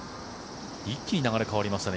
一気に流れ変わりましたね。